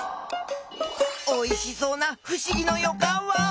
おいしそうなふしぎのよかんワオ！